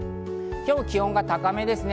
今日、気温が高めですね。